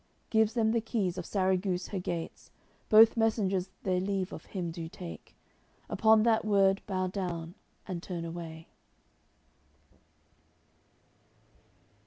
Gives them the keys of Sarraguce her gates; Both messengers their leave of him do take, Upon that word bow down, and turn away.